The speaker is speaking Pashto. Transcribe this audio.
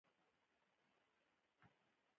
د قسمت فیصلې دي.